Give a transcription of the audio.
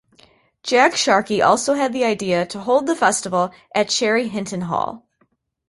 Jack Sharkey also had the idea to hold the festival at Cherry Hinton Hall.